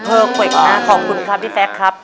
เผลอเว่งนะขอบคุณครับพี่แซ็คครับ